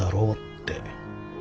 って。